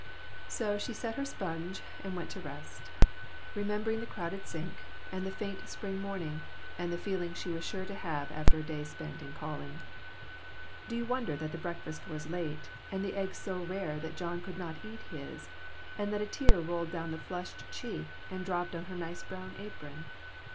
8O A SMOKY ATMOSPHERE. So she set her sponge and went to rest, remem bering the crowded sink and the faint spring morning, and the feeling she was sure to have after a day spent in calling. Do you wonder that the breakfast was late, and the eggs so rare that John could not eat his, and that a tear rolled down the flushed cheek, and dropped on her nice brown apron